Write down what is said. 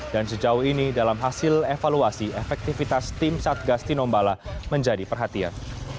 dan sejauh ini dalam hasil evaluasi efektivitas tim satgas tinombala menjadi perhatian